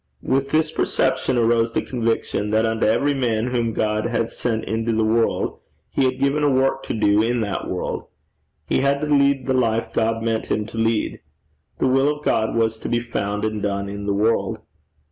With this perception arose the conviction that unto every man whom God had sent into the world, he had given a work to do in that world. He had to lead the life God meant him to lead. The will of God was to be found and done in the world.